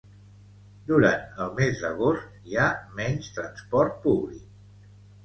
Durant el mes d'agost hi ha menys transport públic